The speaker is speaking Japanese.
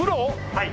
はい。